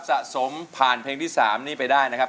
สะสมผ่านเพลงที่๓นี้ไปได้นะครับ